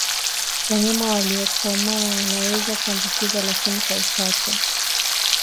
wanyama waliokomaa wanaweza kuambukizwa lakini kwa uchache